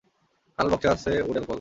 লাল বক্সে আছে would alcohol.